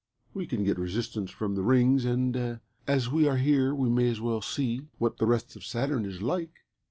We can get resistance from the Rings, and as we are here we may as well see what the rest of Saturn is like.